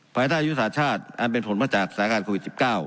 ภายใต้ยุทธศาสตร์ชาติอันเป็นผลมาจากสถานการณ์โควิด๑๙